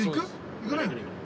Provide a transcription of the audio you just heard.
行かないの？